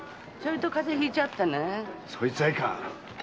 そいつはいかん。